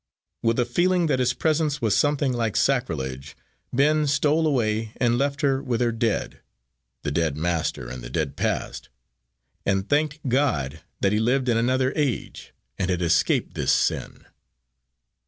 With a feeling that his presence was something like sacrilege, Ben stole away and left her with her dead the dead master and the dead past and thanked God that he lived in another age, and had escaped this sin.